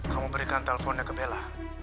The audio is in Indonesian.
kamu berikan telponnya ke bella